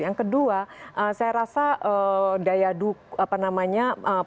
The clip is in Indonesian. yang kedua saya rasa daya dukung apa namanya peningkatan arus urbanisasi